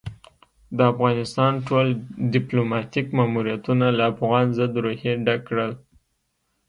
ده د افغانستان ټول ديپلوماتيک ماموريتونه له افغان ضد روحيې ډک کړل.